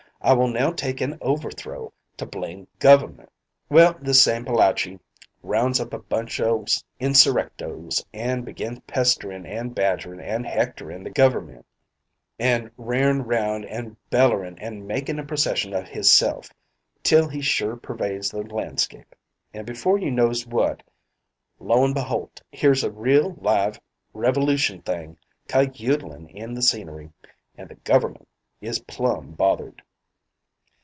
I will now take an' overthrow the blame Gover'ment.' Well, this same Palachi rounds up a bunch o' insurrectos an' begins pesterin' an' badgerin' an' hectorin' the Gover'ment; an' r'arin' round an' bellerin' an' makin' a procession of hisself, till he sure pervades the landscape; an' before you knows what, lo'n beholt, here's a reel live Revolution Thing cayoodlin' in the scenery, an' the Gover'ment is plum bothered.